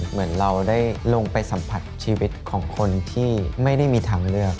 เหมือนเราได้ลงไปสัมผัสชีวิตของคนที่ไม่ได้มีทางเลือก